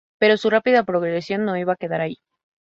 Pero su rápida progresión no iba a quedar ahí.